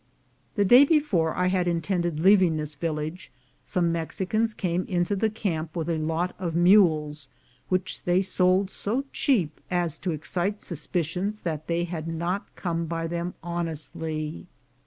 The day before I had intended leaving this village, some Mexicans came into the camp with a lot of mules, which they sold so cheap as to excite suspicions that they had not come by them honestly.